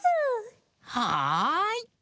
はい！